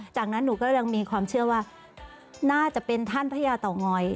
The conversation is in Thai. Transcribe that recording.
จากนั้นหนูก็ยังมีความเชื่อว่าน่าจะเป็นท่านพระยาเตางอย